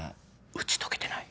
打ち解けてない？